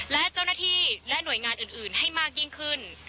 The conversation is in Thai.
และเจ้าหน้าที่และหน่วยงานอื่นให้มากยิ่งขึ้น